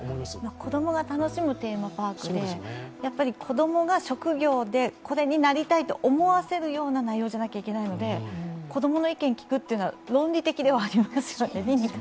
子供が楽しむテーマパークで子供が職業でこれになりたいと思わせるような内容じゃなくちゃいけないので子供の意見を聞くというのは論理的ではありますよね。